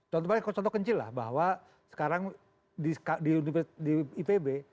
contohnya contoh kecil lah bahwa sekarang di ipb